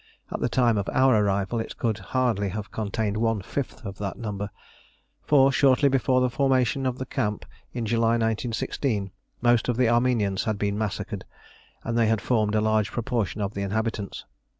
At the time of our arrival it could hardly have contained one fifth of that number; for, shortly before the formation of the camp in July 1916, most of the Armenians had been massacred; and they had formed a large proportion of the inhabitants.